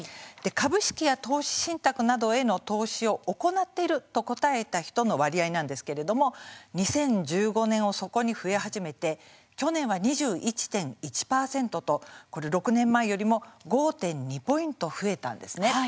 株式や投資信託などへの投資を行っていると答えた人の割合なんですけれども２０１５年を底に増え始めて去年は２１．１％とこれ、６年前よりも５．２ポイント増えたんですね。